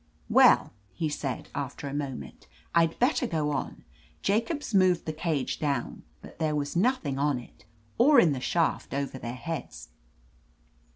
"Well," he said, after a moment, "I'd better go on. Jacobs moved the cage down, but there was nothing on it, or in the shaft over their heads.